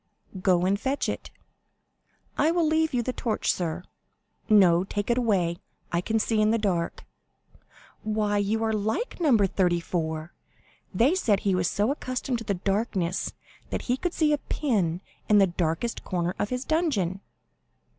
"Go and fetch it." "I will leave you the torch, sir." "No, take it away; I can see in the dark." "Why, you are like No. 34. They said he was so accustomed to darkness that he could see a pin in the darkest corner of his dungeon."